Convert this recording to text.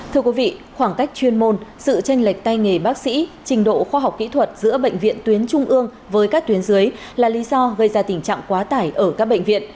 thưa quý vị khoảng cách chuyên môn sự tranh lệch tay nghề bác sĩ trình độ khoa học kỹ thuật giữa bệnh viện tuyến trung ương với các tuyến dưới là lý do gây ra tình trạng quá tăng